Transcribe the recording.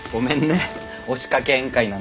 押しかけ宴会なんて。